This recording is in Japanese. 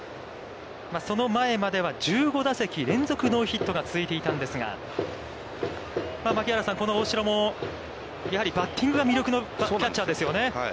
その前までは１５打席連続ノーヒットが続いていたんですが、槙原さん、この大城も、やはりバッティングが魅力のキャッチャーですよね。